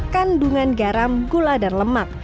kandungan garam gula dan lemak